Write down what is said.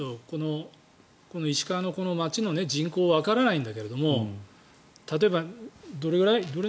この石川の町の人口わからないんだけど例えば、どれぐらい？